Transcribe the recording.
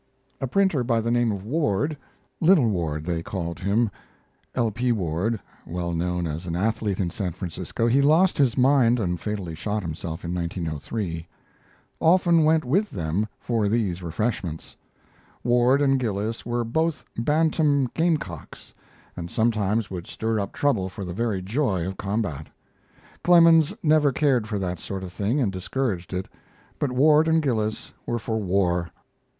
A printer by the name of Ward "Little Ward," [L. P. Ward; well known as an athlete in San Francisco. He lost his mind and fatally shot himself in 1903.] they called him often went with them for these refreshments. Ward and Gillis were both bantam game cocks, and sometimes would stir up trouble for the very joy of combat. Clemens never cared for that sort of thing and discouraged it, but Ward and Gillis were for war.